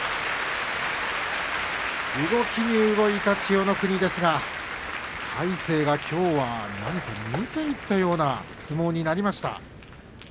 動きに動いた千代の国ですが魁聖はきょう見ていったような相撲になりました。